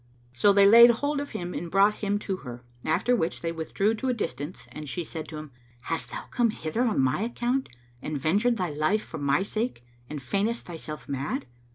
So they laid hold of him and brought him to her; after which they withdrew to a distance and she said to him, "Hast thou come hither on my account and ventured thy life for my sake and feignest thyself mad?"